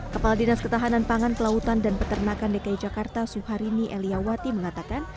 kepala dinas ketahanan pangan kelautan dan peternakan dki jakarta suharini eliawati mengatakan